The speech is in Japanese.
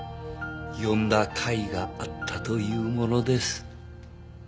呼んだかいがあったというものです。